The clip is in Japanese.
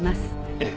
ええ。